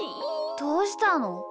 どうしたの？